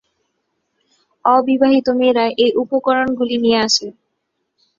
অবিবাহিত মেয়েরা এই উপকরণগুলি নিয়ে আসে।